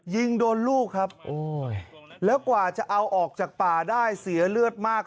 ยิงโดนลูกครับโอ้ยแล้วกว่าจะเอาออกจากป่าได้เสียเลือดมาก